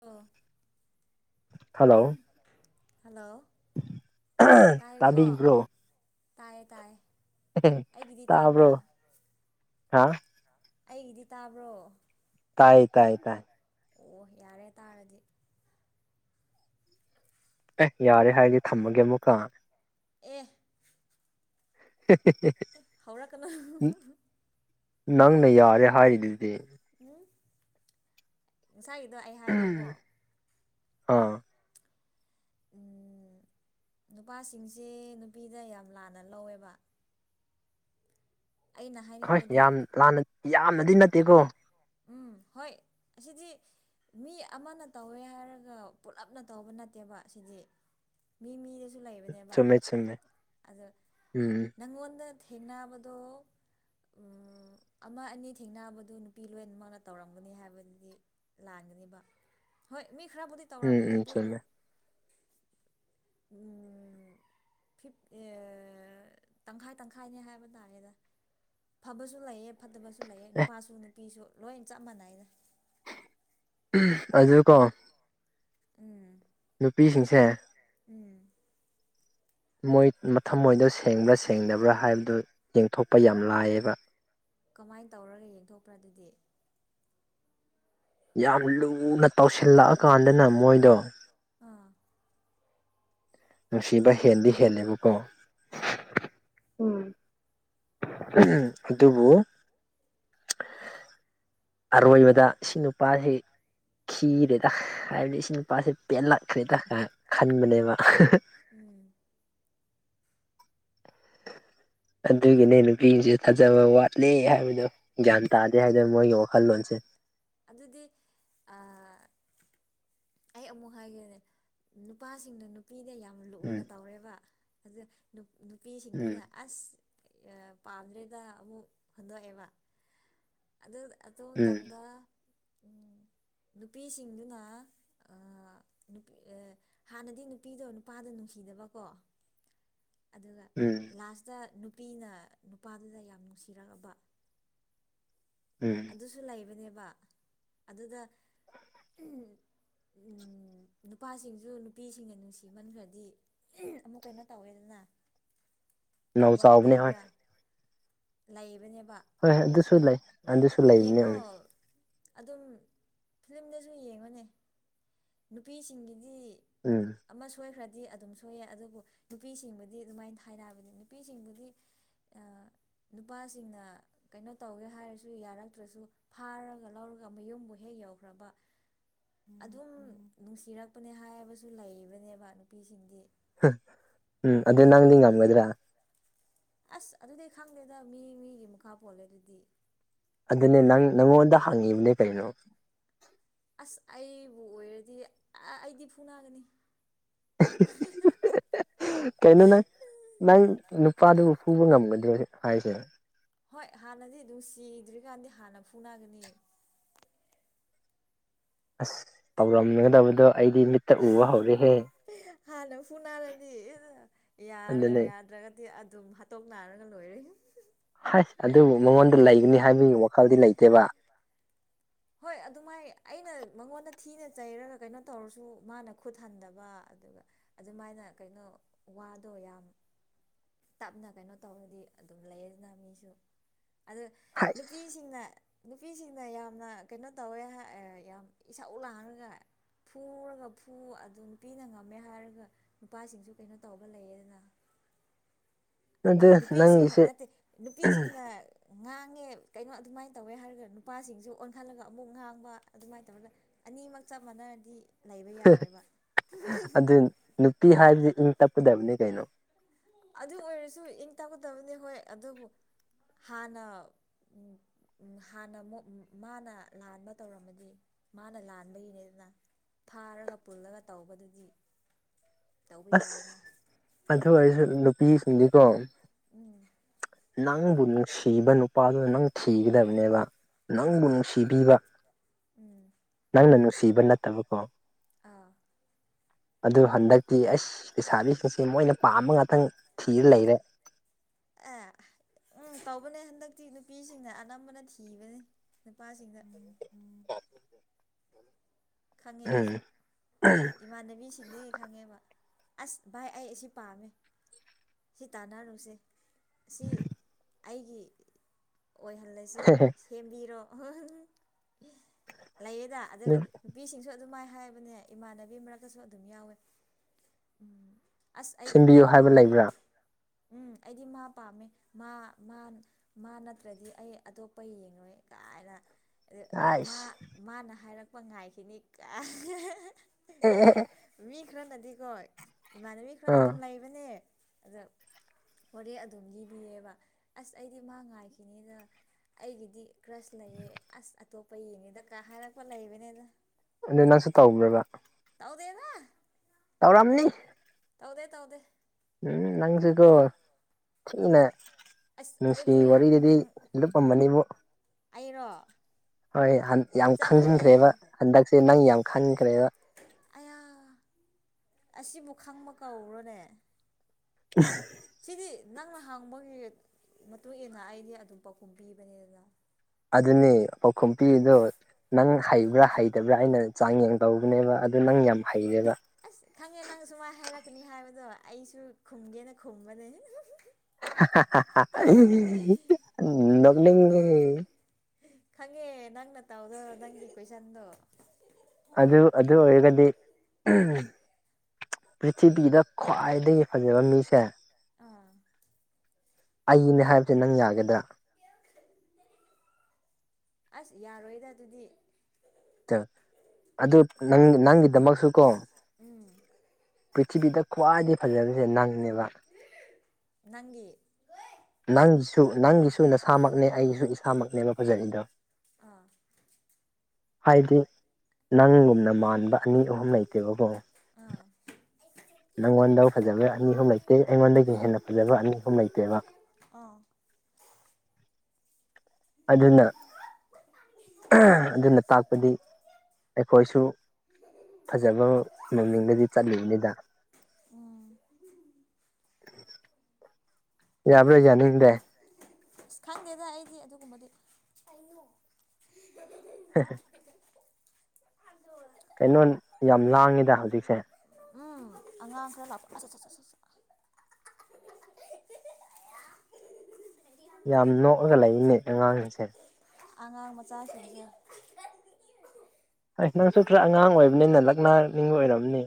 ꯑꯣ hello hello ꯇꯥꯏꯀꯣ ꯇꯥꯕꯤꯕ꯭ꯔꯣ ꯇꯥꯏꯌꯦ ꯇꯥꯏꯌꯦ ꯑꯩꯒꯤꯗꯤ ꯇꯥꯕ꯭ꯔꯥ ꯇꯕꯣ ꯍꯥ ꯑꯩꯒꯤꯗꯤ ꯇꯥꯕ꯭ꯔꯣ ꯇꯥꯏ ꯇꯥꯏ ꯇꯥꯏ ꯑꯣ ꯌꯥꯔꯦ ꯇꯥꯔꯗꯤ ꯑꯦ ꯌꯥꯔꯦ ꯍꯥꯏꯗꯤ ꯊꯝꯃꯒꯦ ꯑꯃꯨꯛꯀ ꯑꯦ ꯍꯧꯔ ꯀꯅꯥ ꯅꯪꯅ ꯌꯥꯔꯦ ꯍꯥꯏꯔꯤꯗꯨꯗꯤ ꯎꯝ ꯉꯁꯥꯏꯒꯤꯗꯣ ꯑꯩ ꯍꯥꯏꯌꯦꯦꯀꯣ ꯑꯥ ꯅꯨꯄꯥꯁꯤꯡꯁꯦ ꯅꯨꯄꯤꯗ ꯌꯥꯝ ꯂꯥꯟꯅ ꯂꯧꯋꯦꯕ ꯑꯩꯅ ꯍꯣꯏ ꯍꯥꯏꯅꯤꯡꯕꯗꯤ ꯌꯥꯝ ꯂꯥꯟꯅ ꯌꯥꯝꯅꯗꯤ ꯅꯠꯇꯦꯀꯣ ꯎꯝ ꯍꯣꯏ ꯁꯤꯗꯤ ꯃꯤ ꯑꯃꯅ ꯇꯧꯋꯦ ꯍꯥꯏꯔꯒ ꯄꯨꯂꯞꯅ ꯇꯧꯕ ꯅꯠꯇꯦꯕ ꯁꯤꯗꯤ ꯃꯤ ꯃꯤꯗ ꯂꯩꯕꯅꯦꯕ ꯆꯨꯝꯃꯦ ꯆꯨꯝꯃꯦ ꯑ ꯎꯝ ꯅꯪꯉꯣꯟꯗ ꯊꯦꯡꯅꯕꯗꯣ ꯑꯃ ꯑꯅꯤ ꯊꯦꯡꯅꯕꯗꯣ ꯅꯨꯄꯤ ꯂꯣꯏꯅꯃꯛꯅ ꯇꯧꯔꯝꯒꯅꯤ ꯍꯥꯏꯕꯗꯨꯗꯤ ꯂꯥꯟꯒꯅꯦꯕ ꯍꯣꯏ ꯃꯤ ꯈꯔꯕꯨꯗꯤ ꯎꯝ ꯇꯧꯔꯝꯒꯅꯤ ꯎꯝ ꯑꯗꯨꯕꯨ ꯆꯨꯝꯃꯦ ꯎꯝ ꯤꯐ ꯇꯪꯈꯥꯏ ꯇꯪꯈꯥꯏꯅꯦ ꯍꯥꯏꯕ ꯇꯥꯔꯦꯗ ꯐꯕꯁꯨ ꯂꯩꯑꯦ ꯐꯠꯇꯕꯁꯨ ꯂꯩꯑꯦ ꯅꯨꯄꯥꯁꯨ ꯅꯨꯄꯤꯁꯨ ꯂꯣꯏ ꯆꯞ ꯃꯥꯟꯅꯩꯅ ꯑꯖꯤꯀꯣ ꯎꯝ ꯅꯨꯄꯤꯁꯤꯡꯁꯦ ꯎꯝ ꯃꯣꯏ ꯃ ꯃꯣꯏꯗꯣ ꯁꯦꯡꯕ꯭ꯔꯥ ꯁꯦꯡꯗꯕ꯭ꯔꯥ ꯍꯥꯏꯕꯗꯨ ꯌꯦꯡꯊꯣꯛꯄ ꯌꯥꯝ ꯂꯥꯏꯑꯕ ꯀꯃꯥꯏꯅ ꯇꯧꯔꯒ ꯌꯦꯡꯊꯣꯛꯄ꯭ꯔꯥ ꯑꯗꯨꯗꯤ ꯌꯥꯝ ꯂꯨꯅ ꯇꯧꯁꯤꯜꯂꯛꯑꯀꯥꯟꯗꯅ ꯃꯣꯏꯗꯣ ꯑꯥ ꯁꯤꯕ ꯍꯦꯜꯗꯤ ꯍꯦꯜꯂꯦꯕꯨꯨ ꯀꯣ ꯑꯥ ꯎꯝ ꯎ ꯑꯗꯨꯕꯨ [unintelligible] ꯑꯔꯣꯏꯕꯗ ꯏ ꯅꯨꯄꯥꯁꯤ ꯈꯤꯔꯦꯗ ꯍꯥꯏꯕꯗꯤ ꯏꯆ ꯅꯨꯄꯥꯁꯦ ꯄꯦꯜꯂꯛꯈ꯭ꯔꯦꯗ ꯈꯟꯕꯅꯦꯕ ꯎꯝ ꯑꯗꯨꯒꯤꯅꯦ ꯅꯨꯄꯤꯁꯦ ꯊꯥꯖꯕ ꯋꯥꯠꯂꯦ ꯍꯥꯏꯕꯗꯣ ꯒ꯭ꯌꯥꯟ ꯇꯥꯗꯦ ꯍꯥꯏꯗꯅ ꯃꯣꯏꯒꯤ ꯋꯥꯈꯜꯂꯣꯟꯁꯦ ꯑꯗꯨꯗꯤ ꯑ ꯑꯩ ꯑꯃꯨꯛ ꯍꯥꯏꯒꯦꯅꯦ ꯅꯨꯄꯥꯁꯤꯡꯅ ꯅꯨꯄꯤꯅ ꯌꯥꯝ ꯎꯝ ꯂꯨꯅ ꯇꯧꯔꯦꯕ ꯑꯗꯨ ꯎꯝ ꯅꯨꯄꯤꯁꯤꯡꯗꯨꯅ ꯑꯁ ꯄꯥꯝꯗ꯭ꯔꯦꯗ ꯑꯃꯨꯛ ꯍꯟꯗꯣꯛꯑꯦꯕ ꯑꯗꯨ ꯑꯗꯨ ꯎꯝ ꯃꯇꯝꯗ ꯅꯨꯄꯤꯁꯤꯡꯗꯨꯅ ꯍꯥꯟꯅꯗꯤ ꯅꯨꯄꯤꯗꯣ ꯅꯨꯄꯥꯗ ꯅꯨꯡꯁꯤꯗꯕꯀꯣ ꯑꯗꯨꯒ ꯎꯝ ꯂꯥꯁꯇ ꯅꯨꯄꯤꯅ ꯅꯨꯄꯥꯗꯨꯗ ꯌꯥꯝ ꯅꯨꯡꯁꯤꯔꯛꯑꯕ ꯎꯝ ꯑꯗꯨꯁꯨ ꯂꯩꯕꯅꯦꯕ ꯑꯗꯨꯗ ꯅꯨꯄꯥꯁꯤꯡꯁꯨ ꯅꯨꯄꯤꯁꯤꯡꯅ ꯅꯨꯡꯁꯤꯃꯟꯈ꯭ꯔꯗꯤ ꯑꯃꯨꯛ ꯀꯩꯅꯣ ꯇꯧꯋꯦꯗꯅ ꯅꯧ ꯇꯧꯕ ꯆꯥꯎꯕꯅꯦ ꯍꯣꯏ ꯂꯩꯕ꯭ꯔꯥ ꯂꯩꯕꯅꯦꯕ ꯍꯣꯏ ꯍꯣꯏ ꯑꯗꯨꯁꯨ ꯂꯩ ꯑꯗꯨꯁꯨ ꯂꯩꯕꯅꯦ ꯌꯦꯡꯉꯣ ꯎꯝ ꯑꯗꯨꯝ ꯐꯤꯂꯝꯗꯁꯨ ꯌꯦꯡꯕꯅꯦ ꯅꯨꯄꯤꯁꯤꯡꯒꯤꯗꯤ ꯎꯝ ꯑꯃ ꯁꯣꯏꯈ꯭ꯔꯦ ꯗꯤ ꯑꯗꯨꯝ ꯁꯣꯏꯑ ꯑꯗꯨꯕꯨ ꯅꯨꯄꯤꯁꯤꯡꯕꯨꯗꯤ ꯑꯗꯨꯃꯥꯏꯅ ꯊꯥꯏꯅꯕꯅꯤ ꯅꯨꯄꯤꯁꯤꯡꯕꯨꯗꯤ ꯅꯨꯄꯥꯁꯤꯡꯅ ꯀꯩꯅꯣ ꯇꯧꯒꯦ ꯍꯥꯏꯔꯁꯨ ꯑꯗꯨ ꯌꯥꯔꯛꯇ꯭ꯔꯁꯨ ꯐꯥꯔꯒ ꯂꯧꯔꯒ ꯃꯌꯨꯝꯕꯨ ꯍꯦꯛ ꯌꯧꯈ꯭ꯔꯕ ꯑꯗꯨꯝ ꯅꯨꯡꯁꯤꯔꯛꯄꯅꯦ ꯍꯥꯏꯕꯁꯨ ꯂꯩꯕꯅꯦꯕ ꯅꯨꯄꯤꯁꯤꯡꯗꯤ ꯎꯝ ꯑꯗꯨ ꯅꯪꯗꯤ ꯉꯝꯒꯗ꯭ꯔꯥ ꯑꯁ ꯑꯗꯨꯗꯤ ꯈꯪꯗꯦꯗ ꯃꯤ ꯃꯤꯒꯤ ꯃꯈꯥ ꯄꯣꯜꯂꯦ ꯑꯗꯨꯗꯤ ꯑꯗꯨꯅꯦ ꯅꯪ ꯅꯪꯉꯣꯟꯗ ꯍꯪꯉꯤꯕꯅꯦ ꯀꯔꯤꯅꯣ ꯑꯁ ꯑꯩꯕꯨ ꯑꯣꯏꯔꯗꯤ ꯑꯩꯗꯤ ꯐꯨꯅꯥꯒꯅꯤ [unintelligible] ꯀꯩꯅꯣ ꯅꯪ ꯅꯪ ꯅꯨꯄꯥꯗꯨꯕꯨ ꯐꯨꯕ ꯉꯝꯒꯗ꯭ꯔꯦ ꯍꯥꯏꯁꯦ ꯍꯣꯏ ꯍꯥꯟꯅꯗꯤ ꯑꯗꯨꯝ ꯁꯤꯗ꯭ꯔꯤꯀꯥꯟꯗꯤ ꯍꯥꯟꯅ ꯐꯨꯅꯒꯅꯦꯕ ꯑꯁ ꯇꯧꯔꯝꯒꯗꯕꯗꯣ ꯑꯩꯗꯤ ꯃꯤꯠꯇ ꯎ ꯋꯥ ꯍꯧꯒ ꯍꯦ ꯍꯥꯟꯅ ꯐꯨ ꯅꯥꯜꯂꯗꯤ ꯑꯗꯨꯅꯦ ꯌꯥꯗ꯭ꯔꯒꯗꯤ ꯑꯗꯨꯝ ꯍꯥꯠꯇꯣꯛꯞ ꯅꯥꯔꯒ ꯂꯣꯏꯔꯦ ꯍꯥꯏꯁ ꯑꯗꯨꯕꯨ ꯃꯉꯣꯟꯗ ꯂꯩꯒꯅꯤ ꯍꯥꯏꯕꯒꯤ ꯋꯥꯈꯜꯗꯤ ꯂꯩꯇꯦꯕ ꯍꯣꯏ ꯑꯗꯨꯃꯥꯏ ꯑꯩꯅ ꯃꯉꯣꯟꯗ ꯊꯤꯅ ꯆꯩꯔꯒ ꯀꯩꯅꯣ ꯇꯧꯔꯁꯨ ꯃꯥꯅ ꯈꯨꯠ ꯍꯟꯗꯕ ꯑꯗꯨꯒ ꯑꯗꯨꯃꯥꯏꯅ ꯀꯩꯅꯣ ꯋꯥꯗꯣ ꯌꯥꯝ ꯇꯞꯅ ꯀꯩꯅꯣ ꯇꯧꯔꯗꯤ ꯑꯗꯨꯝ ꯂꯩꯗꯅ ꯃꯤꯁꯨ ꯑ ꯍꯥꯏꯁ ꯅꯨꯄꯤꯁꯤꯡꯅ ꯅꯨꯄꯤꯁꯤꯡꯅ ꯌꯥꯝꯅ ꯀꯩꯅꯣ ꯇꯧꯋꯦ ꯌꯥꯝ ꯏꯁꯥꯎ ꯎ ꯂꯥꯡꯥꯡꯉꯒ ꯐꯨꯔꯒ ꯐꯨ ꯑꯗꯨ ꯅꯨꯄꯤꯅ ꯉꯝꯃꯦ ꯍꯥꯏꯔꯒ ꯅꯨꯄꯥꯁꯤꯡꯁꯨ ꯀꯩꯅꯣ ꯇꯧꯕ ꯂꯩꯌꯦꯗꯅ [unintelligible] ꯑꯗꯨ ꯅꯨꯄꯤꯁꯤꯡꯅ ꯅꯪꯒꯤꯁꯦ ꯅꯠꯇꯦ ꯅꯨꯄꯤꯁꯤꯡꯅ ꯉꯥꯡꯉꯦ ꯀꯩꯅꯣ ꯑꯗꯨꯃꯥꯏꯅ ꯇꯧꯋꯦ ꯍꯥꯏꯔꯒ ꯅꯨꯄꯥꯁꯤꯡꯁꯨ ꯑꯣꯟꯈꯠꯂꯒ ꯑꯃꯨꯛ ꯉꯥꯡꯕ ꯑꯗꯨꯃꯥꯏꯅ ꯇꯧꯔꯒ ꯑꯅꯤꯃꯛ ꯆꯞ ꯃꯥꯟꯅꯔꯗꯤ ꯂꯩꯕ ꯌꯥꯔꯣꯏꯕ ꯑꯗꯨ ꯅꯨꯄꯤ ꯍꯥꯏꯕꯁꯤ ꯏꯪ ꯇꯞꯀꯗꯕꯅꯤ ꯀꯩꯅꯣ ꯑꯗꯨ ꯑꯣꯏꯔꯁꯨ ꯏꯪ ꯇꯥꯛꯀꯗꯕꯅꯤ ꯍꯣꯏ ꯑꯗꯨꯕꯨ ꯍꯥꯟꯅ ꯎꯝ ꯍꯥꯟꯅ ꯑꯃꯨꯛ ꯃꯥꯅ ꯂꯥꯟꯕ ꯇꯧꯔꯝꯃꯗꯤ ꯃꯥꯅ ꯂꯥꯟꯕꯒꯤꯅꯦꯗꯅ ꯐꯥꯔꯒ ꯄꯨꯜꯂꯒ ꯇꯧꯕꯗꯨꯗꯤ ꯇꯧꯕ ꯑꯁ ꯌꯥꯏꯅ ꯑꯗꯨ ꯑꯣꯏꯁꯨ ꯅꯨꯄꯤꯁꯤꯡꯗꯤꯀꯣ ꯎꯝ ꯅꯪꯕꯨ ꯅꯨꯡꯁꯤꯕ ꯅꯨꯄꯥꯗꯨꯅ ꯅꯪ ꯊꯤꯒꯗꯕꯅꯦꯕ ꯅꯪꯕꯨ ꯎꯝ ꯅꯨꯡꯁꯤꯕꯤꯕ ꯎꯝ ꯅꯪꯅ ꯅꯨꯡꯁꯤꯕ ꯅꯠꯇꯕꯀꯣ ꯑꯥ ꯑꯗꯨ ꯍꯟꯗꯛ ꯗꯤ ꯑꯩꯁ ꯂꯩꯁꯥꯕꯤꯁꯤꯡꯁꯦ ꯃꯣꯏꯅ ꯄꯥꯝꯕ ꯉꯥꯛꯇꯪ ꯊꯤꯔ ꯂꯩꯔꯦ ꯑ ꯎꯝ ꯇꯧꯕꯅꯦ ꯍꯟꯗꯛꯇꯤ ꯅꯨꯄꯤꯁꯤꯡꯅ ꯑꯅꯝꯕꯅ ꯊꯤꯕꯅꯤ ꯅꯨꯄꯥꯁꯤꯡꯅ ꯎꯝ ꯑ ꯈꯪꯉꯦ ꯑꯩꯁꯨ ꯏꯃꯥꯟꯅꯕꯤꯁꯤꯡꯗꯒꯤ ꯈꯪꯉꯦꯕ ꯑꯁ ꯚꯥꯏ ꯑꯩ ꯑꯁꯤ ꯄꯥꯝꯃꯦ ꯁꯤ ꯇꯥꯟꯅꯔꯨꯁꯦ ꯁꯤ ꯑꯩꯒꯤ ꯑꯣꯏꯍꯜꯂꯁꯤ ꯁꯦꯝꯕꯤꯔꯣ ꯎ ꯂꯩꯌꯦꯗ ꯑꯗꯨꯒ ꯁꯨ ꯑꯗꯨꯃꯥꯏꯅ ꯍꯥꯏꯕꯅꯦ ꯏꯃꯥꯟꯅꯕꯤ ꯃꯔꯛꯇꯁꯨ ꯑꯗꯨꯝ ꯌꯥꯎꯋꯦ ꯎꯝ ꯑꯁ ꯑꯩꯗꯤ ꯁꯤꯟꯕꯤꯌꯨ ꯃꯥ ꯍꯥꯏꯕ ꯄꯥꯝꯃꯦ ꯂꯩꯕ꯭ꯔꯥ ꯎꯝ ꯑꯩꯗꯤ ꯃꯥ ꯄꯥꯝꯃꯦ ꯃꯥ ꯃꯥ ꯃꯥ ꯅꯠꯇ꯭ꯔꯗꯤ ꯑꯩ ꯑꯇꯣꯞꯄ ꯌꯦꯡꯉꯣꯏ ꯀꯥꯏꯅ ꯃꯥ ꯑꯥꯏꯁ ꯃꯥꯅ ꯍꯥꯏꯔꯛꯄ ꯉꯥꯏꯈꯤꯅꯤ ꯀ ꯑꯦ ꯑꯦ ꯑꯗꯨꯒ ꯑꯦ ꯃꯤ ꯈꯔꯅꯗꯤꯀꯣ ꯏꯃꯥꯟꯅꯕꯤ ꯈꯔ ꯑꯥ ꯑꯗꯨꯝ ꯂꯩꯕꯅꯦ ꯑꯗ ꯍꯣꯔꯦ ꯑꯗꯨꯝ ꯂꯤꯕꯤꯌꯦꯕ ꯑꯁ ꯑꯩꯗꯤ ꯃꯥ ꯉꯥꯏꯈꯤꯅꯤꯗ ꯑꯩꯒꯤꯗꯤ ꯀ꯭ꯔꯁ ꯂꯩꯌꯦ ꯑꯁ ꯑꯇꯣꯞꯄ ꯌꯦꯡꯉꯦꯗ ꯀꯥ ꯍꯥꯏꯔꯛꯄ ꯂꯩꯕꯅꯤꯅ ꯑꯗꯨ ꯅꯪꯁꯨ ꯇꯧꯕ꯭ꯔꯕ ꯑꯗꯅ ꯔꯝꯅꯤ ꯇꯧꯗꯦ ꯇꯥꯎꯗꯦ ꯎꯝ ꯅꯪꯁꯤꯒꯣ ꯊꯅꯦ ꯑꯁ ꯅꯨꯡꯁꯤ ꯑꯩꯕꯨ ꯌꯥꯝ ꯋꯥꯔꯤꯗꯨꯗꯤ ꯂꯤ ꯂꯞꯂꯝꯝꯕꯅꯤꯕꯨ ꯑꯩꯅꯣ ꯍꯣꯏ ꯌꯥꯝ ꯈꯪꯖꯤꯟꯈ꯭ꯔꯦꯕ ꯍꯟꯗꯛꯁꯦ ꯅꯪ ꯌꯥꯝ ꯈꯟꯈ꯭ꯔꯦꯕ ꯑꯌꯥ ꯑꯁꯤꯕꯨ ꯈꯪꯕ ꯀꯧꯔꯣꯅꯦ ꯑ ꯁꯤꯗꯤ ꯅꯪꯅ ꯍꯥꯡꯕꯒꯤ ꯃꯇꯨꯡ ꯏ ꯃꯇꯨꯡꯏꯟꯅ ꯑꯩꯗꯤ ꯑꯗꯨꯝ ꯄꯥꯎꯈꯨꯝ ꯄꯤꯕꯅꯤꯗꯅ ꯑꯗꯨꯅꯤ ꯄꯥꯎꯈꯨꯝ ꯄꯗꯣ ꯅꯪ ꯍꯩꯕ꯭ꯔꯥ ꯍꯩꯇꯕ꯭ꯔꯥ ꯑꯩꯅ ꯆꯥꯡ ꯌꯦꯡ ꯇꯧꯕꯅꯦꯕ ꯑꯗꯨ ꯅꯪ ꯌꯥꯝ ꯍꯩꯔꯦꯕ ꯑꯁ ꯈꯪꯉꯦ ꯅꯪ ꯁꯨꯃꯥꯏꯅ ꯍꯥꯏꯔꯛꯀꯅꯤ ꯍꯥꯏꯕꯗꯣ ꯑꯩꯁꯨ ꯈꯨꯝꯒꯦꯅ ꯈꯨꯝꯕꯅꯦ ꯂꯂꯤꯦ ꯈꯪꯉꯦ ꯅꯪꯅ ꯇꯥꯎꯗꯣ ꯅꯪꯒꯤ ꯀꯣꯏꯁꯟꯗꯣ ꯑꯗꯨ ꯑꯗꯨ ꯑꯣꯏꯔꯒꯗꯤ ꯄ꯭ꯔꯤꯊꯤꯕꯤꯗ ꯈ꯭ꯋꯥꯏꯗꯒꯤ ꯐꯖꯕ ꯃꯤꯁꯦ ꯑꯥ ꯑꯩꯅꯦ ꯍꯥꯏꯕꯁꯦ ꯅꯪ ꯌꯥꯒꯗ꯭ꯔꯥ ꯑꯁ ꯌꯥꯔꯣꯏꯗ ꯑꯗꯨꯗꯤ ꯑꯗꯨꯗ ꯅꯪ ꯅꯪ ꯗꯃꯛꯁꯨ ꯀꯣ ꯎꯝ ꯄ꯭ꯔꯤꯊꯤꯕꯤꯗ ꯈ꯭ꯋꯥꯏꯗꯒꯤ ꯐꯖꯕꯁꯦ ꯅꯪ ꯕ ꯅꯪꯒꯤ ꯅ ꯅꯪꯒꯤꯁꯨ ꯅꯁꯥꯃꯛꯅꯦ ꯑꯩꯒꯤꯁꯨ ꯏꯁꯥꯃꯛꯅꯦꯕ ꯐꯖꯔꯤꯗꯣ ꯑꯥ ꯍꯥꯏꯗꯤ ꯅꯪꯒꯨꯝꯅ ꯃꯥꯟꯕ ꯑꯅꯤ ꯑꯍꯨꯝ ꯂꯩꯇꯦꯕꯀꯣ ꯑꯥ ꯅꯪꯉꯣꯟꯗ ꯐꯖꯕ ꯑꯅꯤ ꯑꯍꯨꯝ ꯂꯩꯇꯦ ꯑꯩꯉꯣꯟꯗꯒꯤ ꯍꯦꯟꯅ ꯐꯖꯕ ꯑꯅꯤ ꯑꯍꯨꯝ ꯂꯩꯇꯦꯕ ꯑꯥ ꯑꯗꯨꯗꯅ ꯑꯗꯨꯅ ꯍꯥꯏꯗꯤ ꯑꯩꯈꯣꯏꯁꯨ ꯐꯖꯕ ꯃꯃꯤꯡꯗꯗꯤ ꯆꯠꯂꯤꯨꯏꯅꯤꯗ ꯎ ꯌꯥꯕ ꯌꯥꯅꯤ ꯗ ꯑꯁ ꯈꯪꯗꯦꯗ ꯑꯩꯗꯤ ꯑꯗꯨꯒꯨꯝꯕꯗꯤ ꯍ ꯀꯩꯅꯣ ꯌꯥꯝ ꯂꯥꯡꯉꯤꯗ ꯍꯧꯖꯤꯛꯁꯦ ꯎꯝ ꯑꯉꯥꯡ ꯈꯔ ꯂꯥꯛꯄ [unintelligible] ꯌꯥꯝ ꯅꯣꯛꯑꯒ ꯂꯩꯅꯦ ꯑꯉꯥꯡꯁꯤꯡꯁꯦ ꯑꯉꯥꯡ ꯃꯆꯥꯁꯤꯡꯗꯒꯤ ꯑꯁ ꯅꯪꯁꯨ ꯈꯔ ꯑꯉꯥꯡ ꯑꯣꯏꯕꯅꯤꯅ ꯂꯛꯅꯥꯅꯤꯡꯕ ꯑꯣꯏꯔꯝꯅꯤ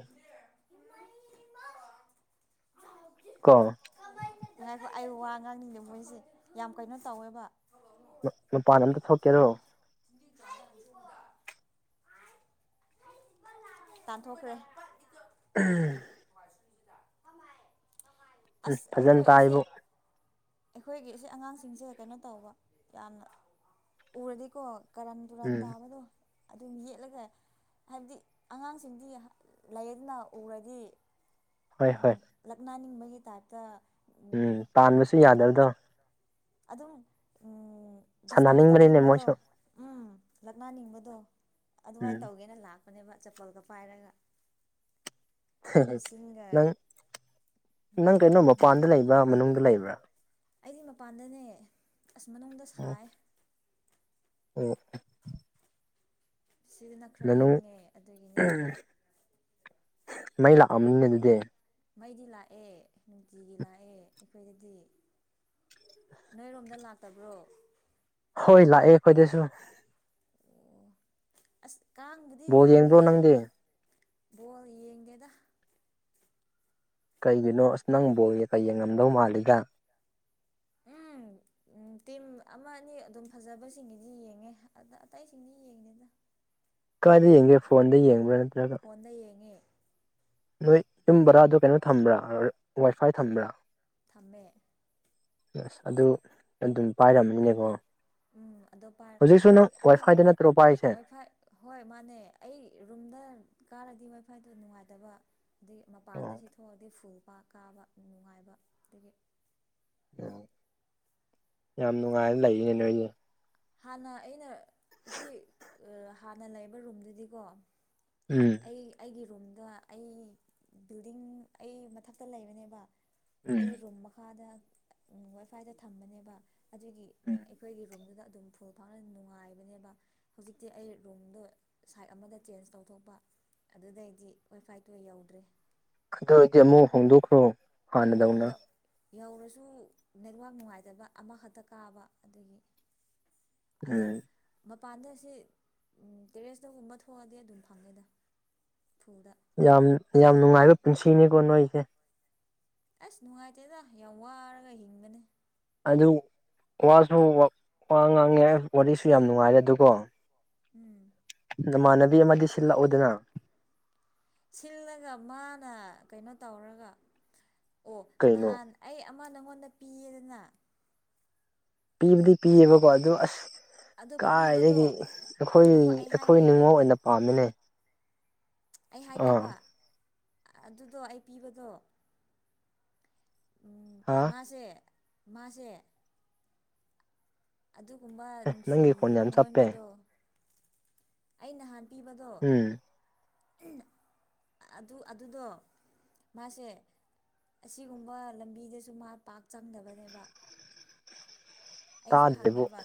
ꯀꯣ ꯉꯥꯏꯈꯣ ꯑꯩ ꯋꯥ ꯉꯥꯡꯅꯤꯡꯗꯦ ꯃꯣꯏꯁꯦ ꯌꯥꯝ ꯀꯩꯅꯣ ꯇꯧꯋꯦꯕ ꯅꯨꯄꯥꯥꯟ ꯑꯝꯇ ꯊꯣꯛꯀꯦꯗꯣ ꯇꯥꯟꯊꯣꯛꯈ꯭ꯔꯦ ꯎꯝ ꯎꯝ ꯑꯁ ꯐꯖꯅ ꯑꯩꯈꯣꯏ ꯑꯁꯤ ꯇꯥꯏꯕꯨ ꯑꯩꯈꯣꯏꯒꯤ ꯏ ꯑꯉꯥꯡꯁꯤꯡꯁꯦ ꯀꯩꯅꯣ ꯇꯧꯕ ꯌꯥꯝꯅ ꯎꯔꯗꯤꯀꯣ ꯀꯔꯟ ꯇꯨꯔꯟ ꯎꯝ ꯇꯥꯕꯗꯣ ꯑꯗꯨꯝ ꯌꯦꯠꯂꯒ ꯍꯥꯏꯕꯗꯤ ꯑꯉꯥꯡꯁꯤꯡꯗꯤ ꯂꯥꯏꯌꯦꯡꯗꯨꯅ ꯎꯔꯗꯤ ꯍꯣꯏ ꯍꯣꯏ ꯂꯛꯅꯅꯤꯡꯕꯒꯤ ꯇꯥꯏꯞꯇ ꯎꯝ ꯄꯥꯟꯕꯁꯨ ꯌꯥꯗꯕꯗꯣ ꯑꯗꯨꯝ ꯗꯤꯁꯇꯥꯞ ꯁꯥꯟꯅꯅꯤꯡꯕꯅꯤꯅꯦ ꯇꯧꯅꯤꯡꯕꯗꯣ ꯃꯣꯏꯁꯨ ꯎꯝ ꯂꯛꯅꯅꯤꯡꯕꯗꯣ ꯑꯗꯨꯃꯥꯏꯅ ꯎꯝ ꯇꯧꯒꯦꯅ ꯂꯥꯛꯄꯅꯦꯕ ꯆꯄꯜꯒ ꯄꯥꯏꯔꯒ ꯏꯁꯤꯡꯒ꯫ ꯅꯪ ꯅꯪ ꯀꯩꯅꯣ ꯃꯄꯥꯟꯗ ꯂꯩꯕ꯭ꯔꯥ ꯃꯅꯨꯡꯗ ꯂꯩꯕ꯭ꯔꯥ꯫ ꯑꯩꯗꯤ ꯃꯄꯥꯟꯗꯅꯦ ꯑꯁ ꯃꯅꯨꯡꯗ ꯑꯣ ꯁꯥꯏ꯫ ꯑꯣ꯫ ꯁꯤꯗꯅ ꯈꯔ ꯃꯅꯨꯡ ꯏꯪꯉꯦ ꯑꯗꯨꯒꯤꯅꯦ꯫ ꯃꯩ ꯂꯥꯛꯑꯕꯅꯤꯅꯦ ꯑꯗꯨꯗꯤ꯫ ꯃꯩꯗꯤ ꯂꯥꯛꯑꯦ ꯅꯨꯡꯇꯤꯒꯤ ꯂꯥꯛꯑꯦ ꯑꯩꯈꯣꯏꯗꯗꯤ꯫ ꯅꯣꯏꯔꯣꯝꯗ ꯂꯥꯛꯇꯕ꯭ꯔꯣ꯫ ꯍꯣꯏ ꯂꯥꯛꯑꯦ ꯈꯣꯏꯗꯁꯨ꯫ ꯑꯣ ꯑꯁ ꯀꯥꯡꯕꯨꯗꯤ ꯕꯣꯜ ꯌꯦꯡꯕ꯭ꯔꯣ ꯌꯥꯝꯃꯦꯌꯦ꯫ ꯅꯪꯗꯤ ꯕꯣꯜ ꯌꯦꯉꯦꯗ꯫ ꯀꯩꯒꯤꯅꯣ ꯑꯁ ꯅꯪ ꯕꯣꯜꯒ ꯀꯩ ꯌꯦꯡꯉꯝꯗꯧ ꯃꯥꯜꯂꯤꯒ꯫ ꯎꯝ꯫ ꯎꯝ ꯇꯤꯝ ꯑꯃ ꯑꯅꯤ ꯑꯗꯨꯝ ꯐꯖꯕꯁꯤꯡꯅꯒꯤꯗꯤ ꯌꯦꯡꯉꯦ ꯑ ꯑꯇꯩꯁꯤꯡꯗꯤ ꯌꯦꯡꯗꯦꯗ꯫ ꯀꯥꯏꯗ ꯌꯦꯡꯒꯦ ꯐꯣꯟꯗ ꯌꯦꯡꯕ꯭ꯔꯥ꯫ ꯅꯠꯇ꯭ꯔꯒ ꯐꯣꯟꯗ ꯌꯦꯡꯉꯦ꯫ ꯅꯣꯏ ꯌꯨꯝꯕ꯭ꯔꯥ ꯑꯗꯨ ꯀꯩꯅꯣ ꯊꯝꯕ꯭ꯔꯥ ꯋꯥꯏꯐꯥꯏ ꯊꯝꯕ꯭ꯔꯥ꯫ ꯊꯝꯃꯦ꯫ ꯑꯁ ꯑꯗꯨ ꯑꯗꯨꯝ ꯄꯥꯏꯔꯝꯃꯅꯤꯅꯦꯀꯣ꯫ ꯎꯝ ꯍꯧꯖꯤꯛ ꯁꯨꯅ ꯋꯥꯏ ꯐꯥꯏꯗ ꯅꯠꯇ꯭ꯔꯣꯄꯥ꯫ ꯋꯥꯏ ꯐꯥꯏ ꯍꯣꯏ ꯃꯥꯅꯦ ꯑꯩ ꯔꯨꯝꯗ ꯀꯥꯔꯒꯦ꯫ ꯋꯥꯏꯐꯥꯏꯗꯨꯣ ꯅꯨꯡꯉꯥꯏꯇꯕ ꯑꯗꯒꯤ ꯃꯄꯥꯟꯗ ꯑꯣ ꯁꯤ ꯊꯣꯛꯑꯗꯤ ꯐꯨꯜ꯫ ꯄ ꯀꯥꯕ ꯅꯨꯡꯉꯥꯏꯕ ꯑꯗꯒꯤ꯫ ꯑꯣ ꯌꯥꯝ ꯅꯨꯡꯉꯥꯏꯅ ꯂꯩꯔꯤꯅꯦ ꯅꯣꯏꯁꯦ꯫ ꯍꯥꯟꯅ ꯑꯩꯅ ꯁꯤ ꯍꯥꯟꯅ ꯂꯩꯕ ꯔꯨꯝꯗꯨꯗꯤꯀꯣ꯫ ꯎꯝ ꯑꯩ ꯑꯩꯒꯤ꯫ ꯔꯨꯝꯗ ꯑꯩ ꯕꯤꯜꯗꯤꯡ ꯑꯩ ꯃꯊꯛꯇ ꯂꯩꯕꯅꯦꯕ꯫ ꯎꯝ ꯑꯩ ꯔꯨꯝ ꯃꯈꯥꯗ ꯋꯥꯏꯐꯥꯏꯗ ꯊꯝꯕꯅꯦꯕ꯫ ꯑꯗꯨꯒꯤ ꯎꯝ ꯑꯩꯈꯣꯏꯒꯤ ꯔꯨꯝꯗꯨꯗ꯫ ꯎꯝꯐꯨꯜ ꯐꯥꯎꯅ ꯅꯨꯡꯉꯥꯏꯕꯅꯦꯕ ꯍꯧꯖꯤꯛꯇꯤ ꯑꯩ ꯔꯨꯝꯗꯣ ꯁꯥꯏꯠ ꯑꯃꯗ ꯆꯦꯟꯖ ꯇꯧꯊꯣꯛꯄ꯫ ꯑꯗꯨꯗꯩꯗꯤ ꯋꯦꯐꯥꯏꯠꯇꯨ ꯌꯧꯗ꯭ꯔꯦ꯫ ꯑꯗꯨ ꯑꯣꯏꯔꯗꯤ ꯑꯃꯨꯛ ꯍꯣꯡꯗꯣꯛꯈ꯭ꯔꯣ ꯍꯥꯟꯅꯗꯧꯅ꯫ ꯌꯧꯔꯁꯨ ꯅꯦꯠꯋꯥꯛ ꯅꯨꯡꯉꯥꯏꯇꯕ ꯑꯃꯈꯛꯇ ꯀꯥꯕ ꯑꯗꯒꯤ꯫ ꯑꯗꯨꯝ꯫ ꯎꯝ ꯃꯄꯥꯟꯗ ꯑꯁꯤ ꯇꯦꯔꯦꯁꯇꯒꯨꯝꯕ ꯊꯣꯛꯑꯗꯤ ꯑꯗꯨꯝ ꯐꯪꯉꯦꯗ ꯐꯨꯗ꯫ ꯌꯥꯝ ꯌꯥꯝ ꯅꯨꯡꯉꯥꯏꯕ ꯄꯨꯟꯁꯤꯅꯤꯀꯣ ꯅꯣꯏꯁꯦ꯫ ꯑꯁ ꯅꯨꯡꯉꯥꯏꯇꯦꯗ ꯌꯥꯝ ꯋꯥꯔꯒ ꯍꯤꯡꯒꯅꯤ꯫ ꯑꯗꯨ ꯋꯥꯁꯨ ꯋꯥ ꯉꯥꯡꯉꯦ ꯋꯥꯔꯤꯁꯨ ꯌꯥꯝ ꯅꯨꯡꯉꯥꯏꯔꯦ ꯑꯗꯨꯒꯣ꯫ ꯎꯝ꯫ ꯅꯃꯥꯟꯅꯕꯤ ꯑꯃꯗꯤ ꯁꯤꯜꯂꯛꯎꯗꯅ꯫ ꯁꯤꯜꯂꯒ ꯃꯥꯅ ꯀꯩꯅꯣ ꯇꯧꯔꯒ꯫ ꯑꯣ ꯀꯩꯅꯣ ꯅꯍꯥꯟ ꯑꯩ ꯑꯃ ꯅꯪꯉꯣꯟꯗ ꯄꯤꯌꯦꯗꯅ꯫ ꯄꯤꯕꯨꯗꯤ ꯄꯤꯌꯦꯕꯀꯣ ꯑꯗꯨ ꯑꯁ꯫ ꯑꯗꯣ ꯄꯤꯕꯗꯣ ꯀꯥꯏꯗꯒꯤ ꯑꯩꯈꯣꯏ ꯉꯥꯏꯈꯣ ꯑꯩ ꯑꯩꯈꯣꯏ ꯍꯥꯏꯒꯦ ꯅꯤꯉꯣꯜ ꯑꯣꯏꯅ ꯄꯥꯝꯃꯤꯅꯦ꯫ ꯑꯩ ꯑꯥ ꯍꯥꯏꯒꯦꯕ ꯑꯗꯨꯗꯣ ꯑꯩ ꯄꯤꯕꯗꯣ꯫ ꯎꯝ ꯍꯥ ꯃꯥꯁꯦ ꯃꯥꯁꯦ꯫ ꯑꯗꯨꯒꯨꯝꯕ ꯑꯦ ꯅꯨꯡꯁꯤ ꯅꯪꯒꯤ ꯈꯣꯟ ꯌꯥꯝ ꯆꯞꯄꯦ ꯅꯨꯡꯉꯣꯟꯒꯤꯗꯣ ꯑꯩ ꯅꯍꯥꯟ꯫ ꯄꯤꯕꯗꯣ꯫ ꯎꯝ ꯑꯗꯨ ꯑꯗꯨꯗꯣ ꯃꯥꯁꯦ꯫ ꯑꯁꯤꯒꯨꯝꯕ ꯂꯝꯕꯤꯗꯁꯨ ꯃꯥ ꯄꯥꯛ ꯆꯪꯗꯕꯅꯦꯕ꯫ ꯑꯩꯁꯨ ꯇꯥꯗ꯭ꯔꯦꯕꯨ ꯍꯪꯉꯦꯕ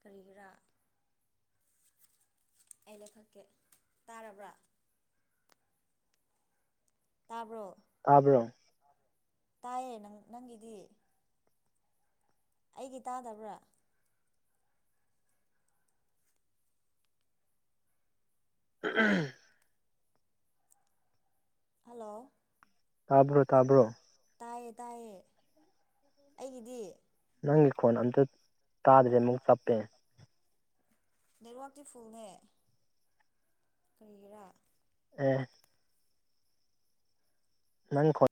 ꯀꯔꯤꯒꯤꯔꯥ ꯑꯩ ꯂꯩꯈꯛꯀꯤ ꯇꯥꯔꯕ꯭ꯔꯥ ꯇꯥꯕ꯭ꯔꯣ ꯑꯕ꯭ꯔꯣ ꯇꯥꯏꯌꯦ ꯅꯪ ꯅꯪꯒꯤꯗꯤ ꯑꯩꯒꯤ ꯇꯥꯗꯕ꯭ꯔꯥ ꯍꯜꯂꯣ ꯍꯜꯂꯣ ꯇꯥꯕ꯭ꯔꯣ ꯇꯥꯕ꯭ꯔꯣ ꯇꯥꯏꯌꯦ ꯇꯥꯏꯌꯦ ꯑꯩꯒꯤꯗꯤ ꯅꯪꯒꯤ ꯈꯣꯟ ꯑꯝꯇ ꯇꯥꯗ꯭ꯔꯦ ꯑꯃꯨꯛ ꯆꯞꯄꯦ ꯅꯦꯋꯥꯛꯀꯤꯤ ꯐꯨꯜꯅꯦ ꯀꯔꯤꯔꯥ ꯎ ꯅꯪ ꯈꯣ